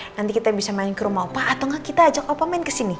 nanti kita bisa main ke rumah opa atau nggak kita ajak opa main ke sini